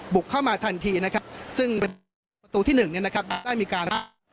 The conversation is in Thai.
บุกเข้ามาทันทีซึ่งประตูที่๑ได้มีการ